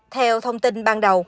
theo thông tin ban đầu